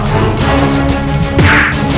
buat sama suku